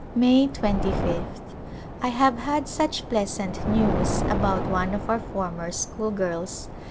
May 2 ph. I have had such pleasant news about one of our former schoolgirls.